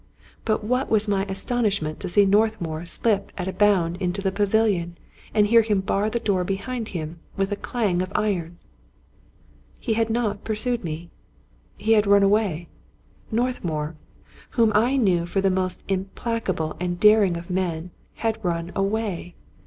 But what was my astonishment to see Northmour slip at a bound into the pavilion, and hear him bar the door behind him with a clang of iron ! He had not pursued me. He had run away. Northmour, whom I knew for the most implacable and daring of men, had run away!